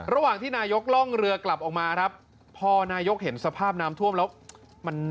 ระหว่างที่นายกล่องเรือกลับออกมาครับพอนายกเห็นสภาพน้ำท่วมแล้วมัน